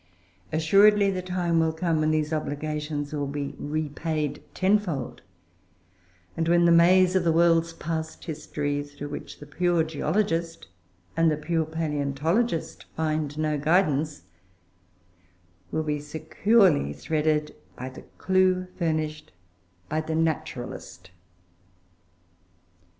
Assuredly the time will come when these obligations will be repaid tenfold, and when the maze of the world's past history, through which the pure geologist and the pure palaeontologist find no guidance, will be securely threaded by the clue furnished by the naturalist.